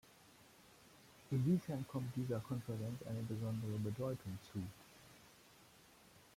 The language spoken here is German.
Inwiefern kommt dieser Konferenz eine besondere Bedeutung zu?